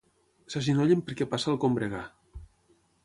S'agenollen perquè passa el combregar.